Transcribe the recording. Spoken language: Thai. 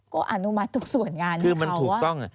ก็อนุมัติทุกส่วนงานที่เขาว่าคือมันถูกต้อง